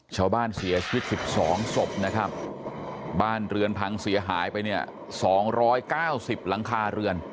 ชาวบ้านเสียชีวิต๑๒ศพนะครับบ้านเรือนพังเสียหายไปเนี่ย๒๙๐หลังคาเรือน